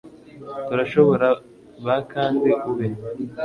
Turashobora Ba kandi ube